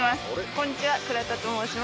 こんにちは。